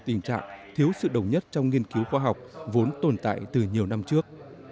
tình trạng thiếu sự đồng nhất trong nghiên cứu khoa học vốn tồn tại từ nhiều năm trước